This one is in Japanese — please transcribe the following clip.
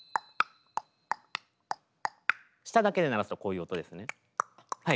舌だけで鳴らすとこういう音ですね。